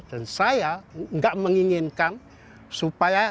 dan saya tidak menginginkan supaya